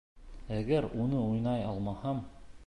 Әгәр уны уйнай алмаһам...